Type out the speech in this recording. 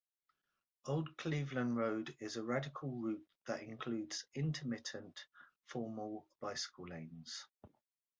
Old Cleveland Road is a radial route that includes intermittent, formal bicycle lanes.